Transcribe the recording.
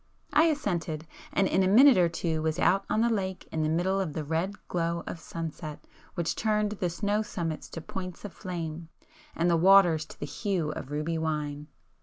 I assented, and in a minute or two was out on the lake in the middle of the red glow of sunset which turned the snow summits to points of flame, and the waters to the hue of ruby wine.